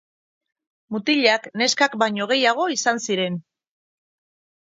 Mutilak neskak baino gehiago izan ziren.